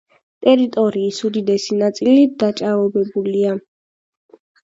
ტერიტორიის უდიდესი ნაწილი დაჭაობებულია.